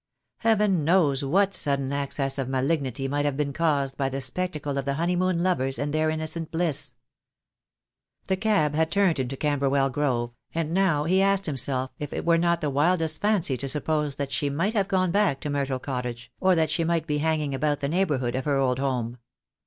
Heaven knows what sudden access of malignity might have been caused by the spectacle of the honeymoon lovers and their in nocent bliss. The cab had turned into Camberwell Grove, and now he asked himself if it were not the wildest fancy to suppose that she might have gone back to Myrtle Cottage, or that she might be hanging about the neighbourhood of her old home.